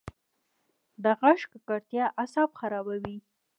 د غږ ککړتیا اعصاب خرابوي.